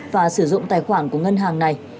và sử dụng tài khoản của ngân hàng này